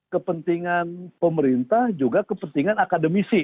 kepentingan pemerintah juga kepentingan akademisi